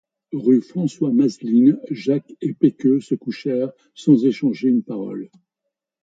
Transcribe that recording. Rue François-Mazeline, Jacques et Pecqueux se couchèrent, sans échanger une parole.